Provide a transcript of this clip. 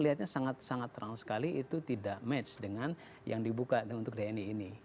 lihatnya sangat sangat terang sekali itu tidak match dengan yang dibuka untuk dni ini